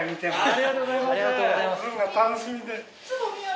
ありがとうございます。